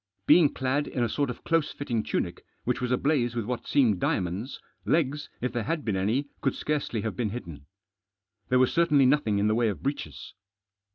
Being clad in a sort of close fitting tunic, which was ablaze with what seemed diamonds, legs, if there had been any, could scarcely have been hidden. There was certainly nothing in the way of breeches.